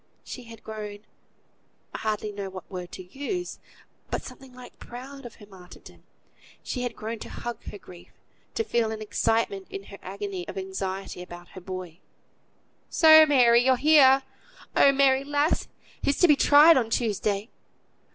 She had grown I hardly know what word to use but, something like proud of her martyrdom; she had grown to hug her grief; to feel an excitement in her agony of anxiety about her boy. "So, Mary, you're here! Oh! Mary, lass! He's to be tried on Tuesday."